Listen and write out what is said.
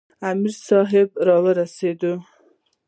امیر صاحب را رسیږي.